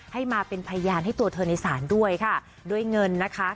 ให้มาเป็นพยานให้ตัวเธอในศาลด้วยค่ะด้วยเงินนะคะ